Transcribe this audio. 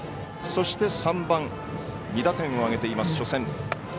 そして、３番２打点を挙げています、初戦。